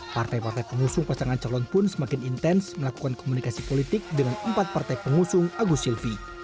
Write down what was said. partai partai pengusung pasangan calon pun semakin intens melakukan komunikasi politik dengan empat partai pengusung agus silvi